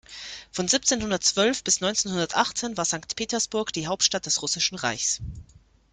Von siebzehnhundertzwölf bis neunzehnhundertachtzehn war Sankt Petersburg die Hauptstadt des Russischen Reichs.